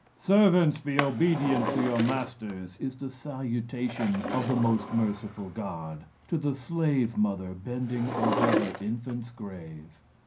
"Servants, be obedient to your masters," is the salutation of the most merciful God to the slave mother bending over her infant's grave.